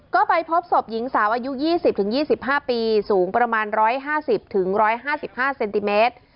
ก็ไปพบศพหญิงสาวอายุ๒๐๒๕ปีสูงประมาณ๑๕๐๑๕๕เซนติเมตร